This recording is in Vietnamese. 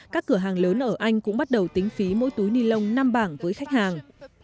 các cửa hàng lớn ở anh cũng bắt đầu tính phí mỗi túi ni lông năm bảng với khách hàng